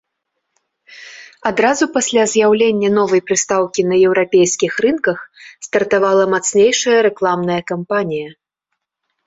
Адразу пасля з'яўлення новай прыстаўкі на еўрапейскіх рынках, стартавала мацнейшая рэкламная кампанія.